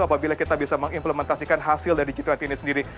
apabila kita bisa mengimplementasikan hasil dari g dua puluh ini sendiri